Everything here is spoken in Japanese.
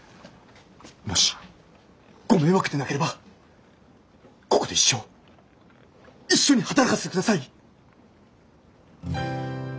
もしご迷惑でなければここで一生一緒に働かせてください！